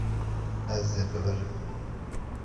Ez ê bibirim.